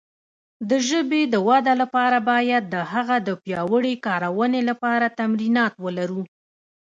د ژبې د وده لپاره باید د هغه د پیاوړې کارونې لپاره تمرینات ولرو.